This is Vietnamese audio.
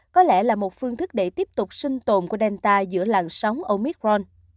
có lẽ là một phương thức để tiếp tục sinh tồn của delta giữa làng sóng omicron